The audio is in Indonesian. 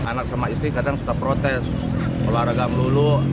anak sama istri kadang suka protes olahraga melulu